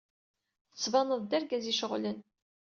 Tettbaned-d d argaz iceɣlen.